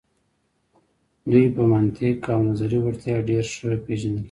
دوی په منطق او نظري وړتیا ډیر ښه پیژندل شوي.